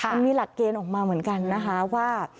มันมีหลักเกณฑ์ออกมาเหมือนกันนะคะว่า